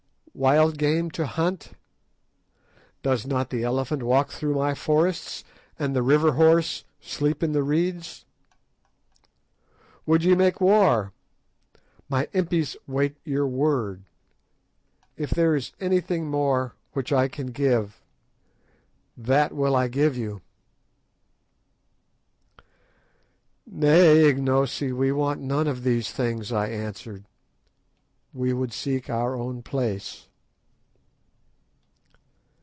Wild game to hunt? Does not the elephant walk through my forests, and the river horse sleep in the reeds? Would ye make war? My Impis wait your word. If there is anything more which I can give, that will I give you." "Nay, Ignosi, we want none of these things," I answered; "we would seek our own place."